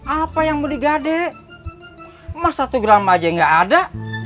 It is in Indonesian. apa yang mau digade emas satu gram aja gak ada